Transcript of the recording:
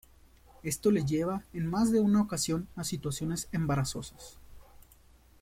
Esto les lleva en más de una ocasión a situaciones embarazosas.